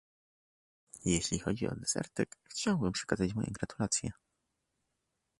Jeżeli chodzi o Desertec, chciałbym przekazać moje gratulacje